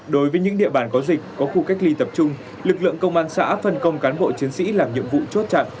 đối với những địa bàn có dịch có khu cách ly tập trung lực lượng công an xã phân công cán bộ chiến sĩ làm nhiệm vụ chốt chặn